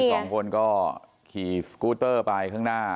สองคนก็ขี่สกูเตอร์ไปข้างหน้า